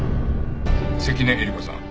関根えり子さん